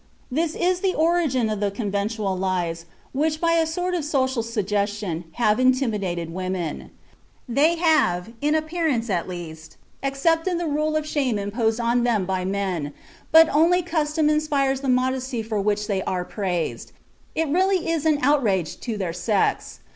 This is the origin of the conventional lies which by a sort of social suggestion have intimidated women. They have, in appearance at least, accepted the rule of shame imposed on them by men, but only custom inspires the modesty for which they are praised; it is really an outrage to their sex.